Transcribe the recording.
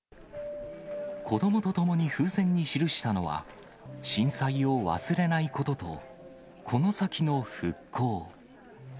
子どもと共に風船に記したのは、震災を忘れないことと、この先の復興。